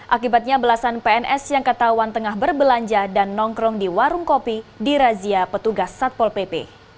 akibatnya belasan pns yang ketahuan tengah berbelanja dan nongkrong di warung kopi dirazia petugas satpol pp